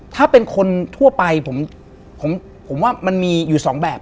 ถ้าเป็นคนทั่วไปผมว่ามันมีอยู่สองแบบ